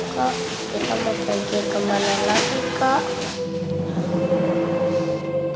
kak kita mau pergi kemana lagi kak